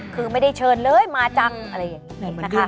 คือไม่ได้เชิญเลยมาจังอะไรอย่างนี้นะคะ